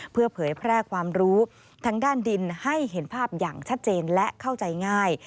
เพื่อเผยแพร่ความรู้ทางด้านดินให้เห็นภาพอย่างชัดเจนและเข้าใจง่าย